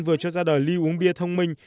vừa cho ra đời ly uống bia thông minh